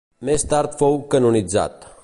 Més tard fou canonitzat.